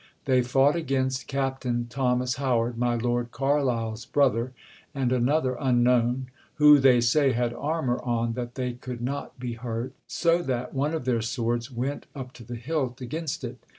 They fought against Captain Thomas Howard, my Lord Carlisle's brother, and another unknown; who, they say, had armour on that they could not be hurt, so that one of their swords went up to the hilt against it.